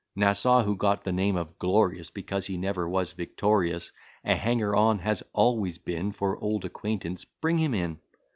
Nassau, who got the name of Glorious, Because he never was victorious, A hanger on has always been; For old acquaintance bring him in.